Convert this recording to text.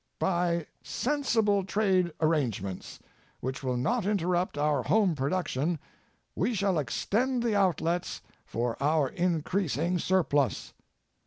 By sensible trade arrangements, which will not interrupt our home production, we shall extend the outlets for our increasing surplus.